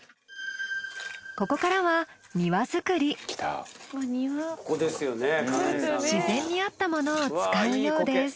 ここからは自然にあったものを使うようです。